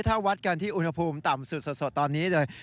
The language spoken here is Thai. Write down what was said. ถ้าวัดกันที่อุณหภูมิต่ำสุดสดตอนนี้เลย